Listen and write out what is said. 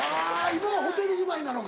今はホテル住まいなのか。